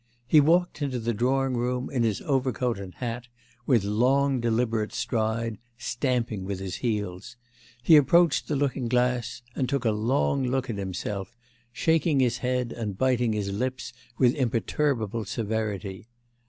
He walked into the drawing room in his overcoat and hat, with long deliberate stride, stamping with his heels; he approached the looking glass and took a long look at himself, shaking his head and biting his lips with imperturbable severity.